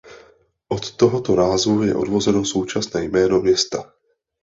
Od tohoto názvu je odvozeno současné jméno města.